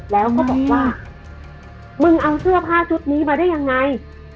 แล้วก็บอกว่ามึงเอาเสื้อผ้าชุดนี้มาได้ยังไง